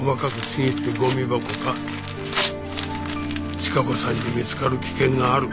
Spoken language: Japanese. チカ子さんに見つかる危険がある。